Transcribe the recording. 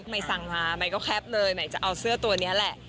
มัยสั่งมาแคปเลยจะเอาเสื้อตัวนี้แหละ